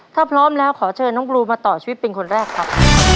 ถ้าพร้อมแล้วขอเชิญน้องบลูมาต่อชีวิตเป็นคนแรกครับ